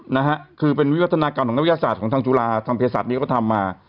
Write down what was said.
นะฮะคือเป็นวิวัฒนาการของนักวิทยาศาสตร์ของทางจุฬาทางเพศศาสนี้ก็ทำมา